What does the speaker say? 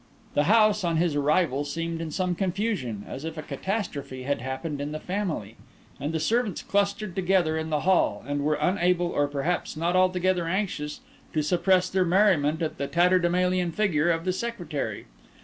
The house, on his arrival, seemed in some confusion, as if a catastrophe had happened in the family; and the servants clustered together in the hall, and were unable, or perhaps not altogether anxious, to suppress their merriment at the tatterdemalion figure of the secretary.